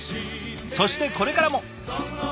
そしてこれからも。